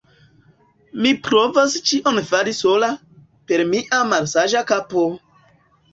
mi provos ĉion fari sola, per mia malsaĝa kapo!